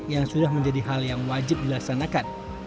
yang sudah menjadi hal yang wajib dilaksanakan